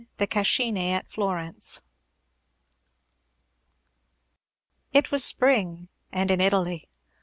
THE CASCINE AT FLORENCE It was spring, and in Italy!